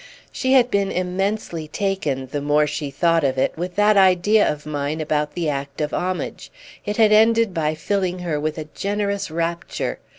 She had been immensely taken, the more she thought of it, with that idea of mine about the act of homage: it had ended by filling her with a generous rapture.